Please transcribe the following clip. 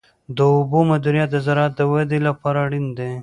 د اوبو مدیریت د زراعت د ودې لپاره اړین دی.